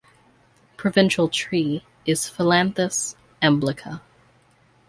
Provincial tree is "Phyllanthus emblica".